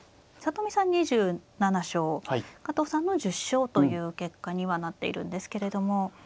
里見さん２７勝加藤さんの１０勝という結果にはなっているんですけれども。